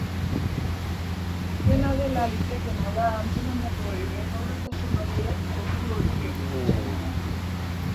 Dena dela, litekeena da antzemandako irregulartasun horiek kopuru hori gainditu izana.